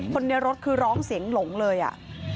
คนในรถคือร้องเสียงหลงเลยอ่ะ